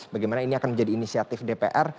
bagaimana ini akan menjadi inisiatif dpr